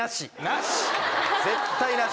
絶対なし。